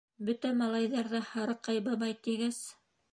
— Бөтә малайҙар ҙа «Һарыҡай бабай» тигәс...